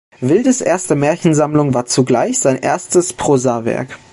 Wildes erste Märchensammlung war zugleich sein erstes Prosawerk.